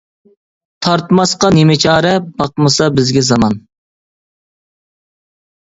تارتماسقا نېمە چارە، باقمىسا بىزگە زامان.